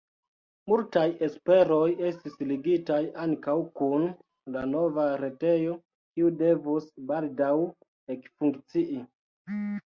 Multaj esperoj estis ligitaj ankaŭ kun la nova retejo, kiu devus “baldaŭ” ekfunkcii.